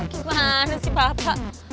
gimana sih bapak